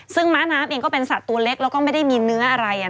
ซึ่งม้าน้ำเองก็เป็นสัตว์ตัวเล็กแล้วก็ไม่ได้มีเนื้ออะไร